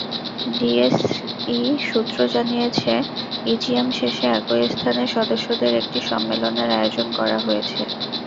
DSE সূত্র জানিয়েছে, EGM শেষে একই স্থানে সদস্যদের একটি সম্মেলনের আয়োজন করা হয়েছে।